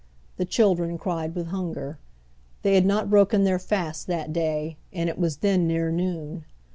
The children cried with hunger. They had not broken their fast that day, and it was then near noon.